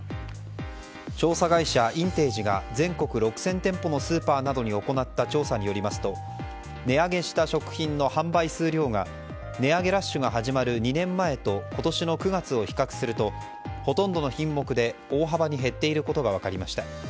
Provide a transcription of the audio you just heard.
調査会社インテージが全国６０００店舗のスーパーなどに行った調査によりますと値上げした食品の販売数量が値上げラッシュが始まる２年前と今年の９月を比較するとほとんどの品目で大幅に減っていることが分かりました。